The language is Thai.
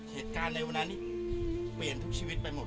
เหตุการณ์ในวันนั้นนี้เปลี่ยนทุกชีวิตไปหมด